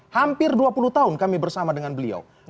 hampir dua puluh tahun kami bersama dengan beliau